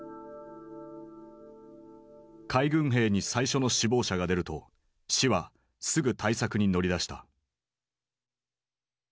海軍兵に最初の死亡者が出ると市はすぐ対策に乗り出した。